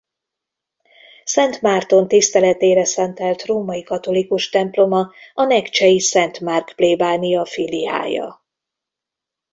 Szent Márton tiszteletére szentelt római katolikus temploma a nekcsei Szent Márk plébánia filiája.